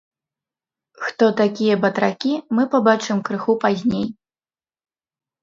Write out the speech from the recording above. Хто такія батракі, мы пабачым крыху пазней.